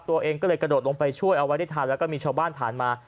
ตัวเองก็เลยกระโดดลงไปช่วยเอาไว้ได้ทันแล้วก็มีชาวบ้านผ่านมา